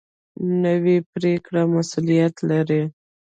نوې پرېکړه مسؤلیت لري